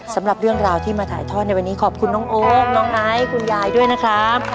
สำหรับเรื่องราวที่มาถ่ายทอดในวันนี้ขอบคุณน้องโอ๊คน้องไอซ์คุณยายด้วยนะครับ